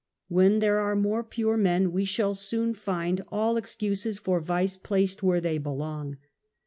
"When there are more pure men we shall soon find all ex cuses for vice placed where they belong.